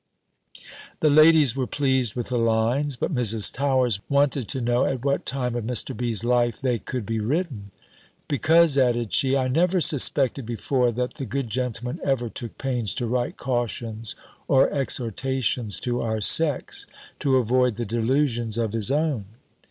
'" The ladies were pleased with the lines; but Mrs. Towers wanted to know at what time of Mr. B.'s life they could be written. "Because," added she, "I never suspected, before, that the good gentleman ever took pains to write cautions or exhortations to our sex, to avoid the delusions of his own."